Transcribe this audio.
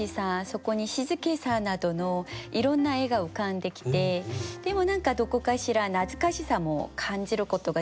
そこに静けさなどのいろんな絵が浮かんできてでも何かどこかしら懐かしさも感じることができるような。